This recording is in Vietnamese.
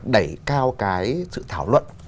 đẩy cao cái sự thảo luận